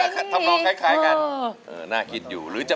ใครเตะ